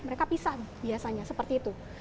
mereka pisah biasanya seperti itu